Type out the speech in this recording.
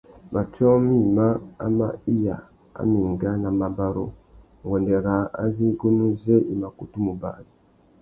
Matiō mïma iya a mà enga nà mabarú nguêndê râā azê igunú zê i mà kutu mù bari.